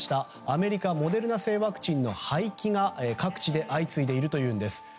アメリカ、モデルナ製ワクチンの廃棄が各地で相次いでいるというんです。